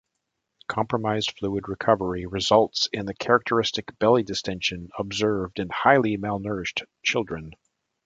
Compromised fluid recovery results in the characteristic belly distension observed in highly malnourished children.